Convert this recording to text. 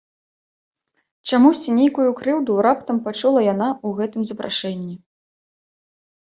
Чамусьці нейкую крыўду раптам пачула яна ў гэтым запрашэнні.